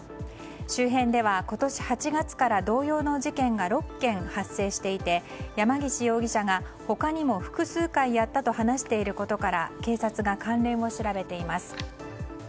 周辺では、今年８月から同様の事件が６件、発生していて山岸容疑者が他にも複数回やったと話していることから警察が関連を調べています。